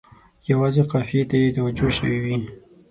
یوازې قافیې ته یې توجه شوې وي.